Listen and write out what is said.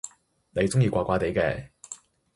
你中意怪怪哋嘅？